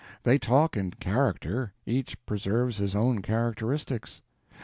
They talk in character, each preserves his own characteristics.